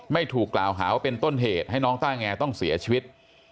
ไม่ถูกกล่าวหาว่าเป็นต้นเหตุให้น้องต้าแงต้องเสียชีวิต